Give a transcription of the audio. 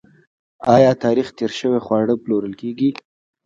آیا تاریخ تیر شوي خواړه پلورل کیږي؟